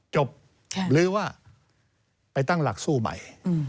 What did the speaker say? จบหรือว่าไปตั้งหลักสู้ใหม่